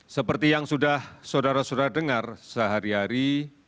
seperti yang sudah saudara saudara dengar sehari hari